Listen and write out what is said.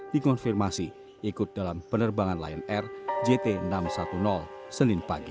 dikonfirmasi ikut dalam penerbangan lion air jt enam ratus sepuluh senin pagi